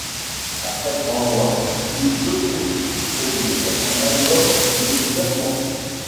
Après trois mois, ils auto-produisent un album de neuf morceaux.